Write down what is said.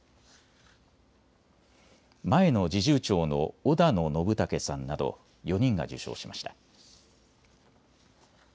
前の侍従長の小田野展丈さんなど４人が受章しました。